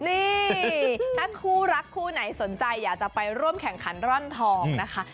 นี่ถ้าคู่รักคู่ไหนสนใจอยากจะไปร่วมแข่งขันร่อนทองนะคะ